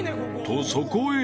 ［とそこへ］